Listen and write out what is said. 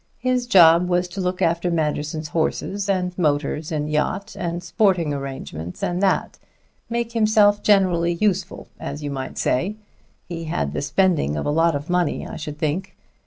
His job was to look after Manderson's horses and motors and yacht and sporting arrangements and that make himself generally useful, as you might say. He had the spending of a lot of money, I should think.